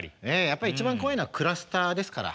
やっぱり一番怖いのはクラスターですから。